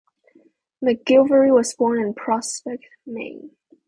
McGilvery was born in Prospect, Maine.